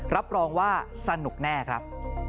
รับรองว่าสนุกแน่ครับ